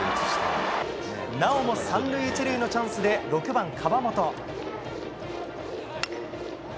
なおも３塁１塁のチャンスで６番、川元。